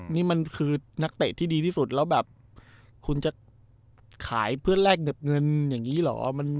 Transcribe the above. นี่มันคือนักเตะที่ดีที่สุดแล้วแบบคุณจะขายเพื่อแลกเงินอย่างนี้เหรอ